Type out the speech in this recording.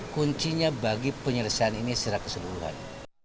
kuncinya bagi penyelesaian ini secara keseluruhan